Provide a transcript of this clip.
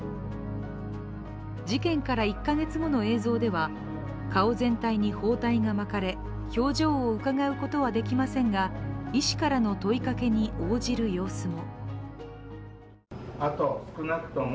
事件から１か月後の映像では、顔全体に包帯が巻かれ表情を伺うことはできませんが医師からの問いかけに応じる様子も。